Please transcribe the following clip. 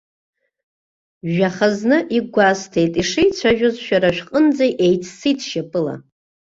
Жәаха зны, игәасҭеит, ишеицәажәоз шәара шәҟынӡа еиццеит шьапыла.